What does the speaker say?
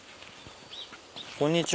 こんにちは。